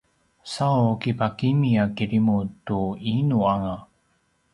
sau kipakimi a kirimu tu inu anga